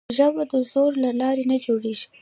ژبه د زور له لارې نه جوړېږي.